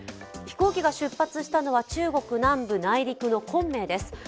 飛行機が出発したのは中国南部内陸の昆明です。